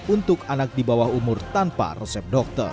untuk anak di bawah umur tanpa resep dokter